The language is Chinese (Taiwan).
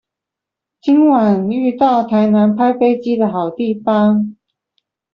今晚遇到台南拍飛機的好地方